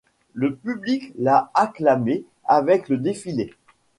Le public l'a acclamé avec le défilé.